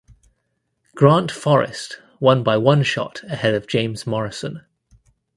Grant Forrest won by one shot ahead of James Morrison.